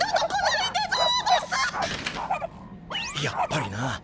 やっぱりな！